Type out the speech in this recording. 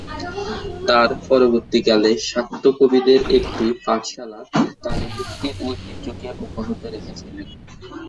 তাঁর পরবর্তীকালে শাক্ত কবিদের একটি পাঠশালা কালী-ভক্তির ঐতিহ্যকে অব্যাহত রেখেছিলেন।